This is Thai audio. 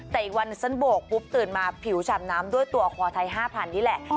แต่อีกวันฉันโบกปุ๊บตื่นมาผิวฉ่ำน้ำด้วยตัวคอไทย๕๐๐นี่แหละ